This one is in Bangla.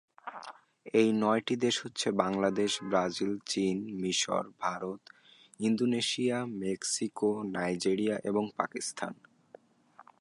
এই নয়টি দেশ হচ্ছেঃ বাংলাদেশ, ব্রাজিল, চীন, মিশর, ভারত, ইন্দোনেশিয়া, মেক্সিকো, নাইজেরিয়া এবং পাকিস্তান।